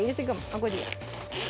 あっこれでいいや。